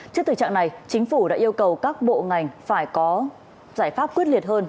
trước thực trạng này chính phủ đã yêu cầu các bộ ngành phải có giải pháp quyết liệt hơn